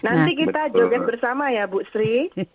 nanti kita joget bersama ya bu sri